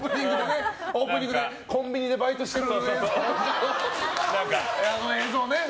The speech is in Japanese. オープニングでコンビニでバイトしてる映像をね。